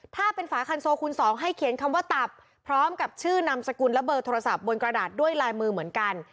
ถ้าเป็นฝาคันโซคูณสองให้เขียนคำว่าตับพร้อมกับชื่อนามสกุลและเบอร์โทรศัพท์บนกระดาษด้วยลายมือเหมือนกัน